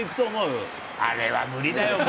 あれは無理だよね。